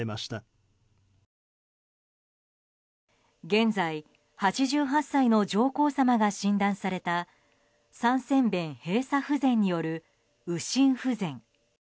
現在、８８歳の上皇さまが診断された三尖弁閉鎖不全による右心不全。